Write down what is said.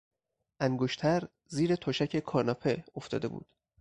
انگشتر زیر تشک کاناپه افتاده بود.